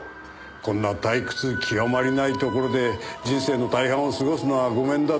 「こんな退屈きわまりないところで人生の大半を過ごすのはごめんだ」と。